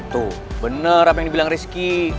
tuh bener apa yang dibilang rizky